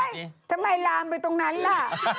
ทำไมลามไปตรงนั้นล่ะ